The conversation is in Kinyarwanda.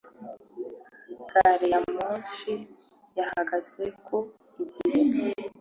Gari ya moshi yahageze ku igihe